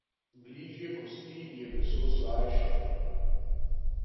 Bližje kosti je meso slajše.